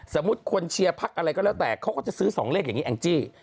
สมมุติคนเชียร์พักอะไรก็แล้วแต่เขาก็จะซื้อ๒เลขอย่างนี้แองจี้